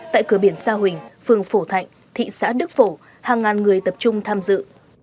tại cửa biển sa huỳnh phường phổ thạnh thị xã đức phổ hàng ngàn người tập trung tham dự